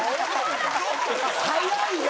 早いよ！